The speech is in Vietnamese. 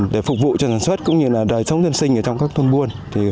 để phục vụ cho sản xuất cũng như là đời sống dân sinh ở trong các thôn buôn